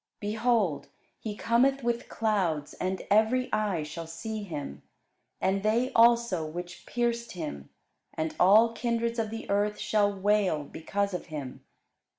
Behold, he cometh with clouds; and every eye shall see him, and they also which pierced him: and all kindreds of the earth shall wail because of him.